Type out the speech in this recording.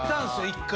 １回。